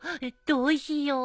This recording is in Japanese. どうしよう。